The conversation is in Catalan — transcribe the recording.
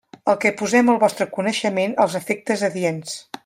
El que posem al vostre coneixement als efectes adients.